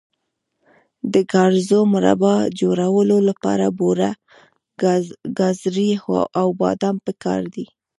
د ګازرو مربا جوړولو لپاره بوره، ګازرې او بادام پکار دي.